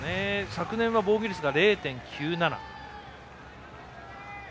昨年は防御率が０．９７。